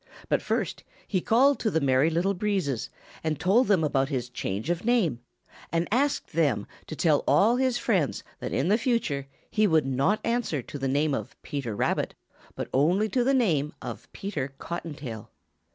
But first he called to the Merry Little Breezes and told them about his change of name and asked them to tell all his friends that in the future he would not answer to the name of Peter Rabbit, but only to the name of Peter Cottontail.